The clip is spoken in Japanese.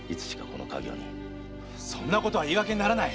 そんなことは言い訳にならない！